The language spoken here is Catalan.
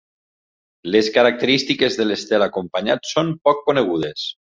Les característiques de l'estel acompanyant són poc conegudes.